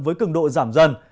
với cường độ giảm dần